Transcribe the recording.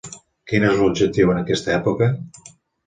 Quin és l'objectiu en aquesta època?